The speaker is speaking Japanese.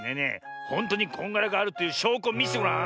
ほんとにこんがらガールというしょうこをみせてごらん。